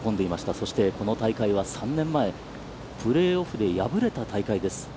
そして、この大会は、３年前、プレーオフで敗れた大会です。